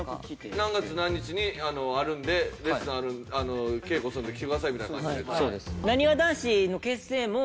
何月何日にあるんで稽古するんで来てくださいみたいな感じ？